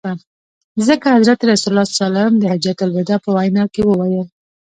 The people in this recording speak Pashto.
ځکه حضرت رسول ص د حجة الوداع په وینا کي وویل.